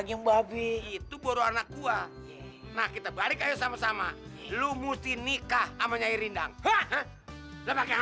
kemana kita lah